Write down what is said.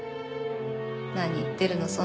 何言ってるの？